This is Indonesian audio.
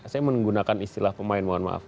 saya menggunakan istilah pemain mohon maaf